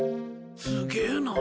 すげえな。